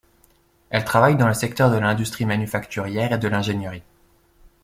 Elle travaille dans le secteur de l'industrie manufacturière et de l'ingénierie.